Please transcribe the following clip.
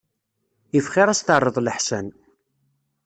Iff xir ad as-terreḍ leḥsan.